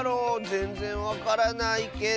ぜんぜんわからないけど。